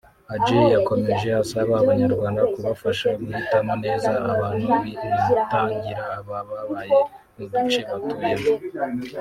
Adjei yakomeje asaba Abanyarwanda kubafasha guhitamo neza abantu bitangira ababaye mu duce batuyemo